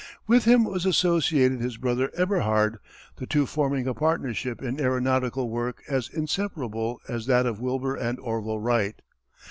With him was associated his brother Eberhard, the two forming a partnership in aeronautical work as inseparable as that of Wilbur and Orville Wright.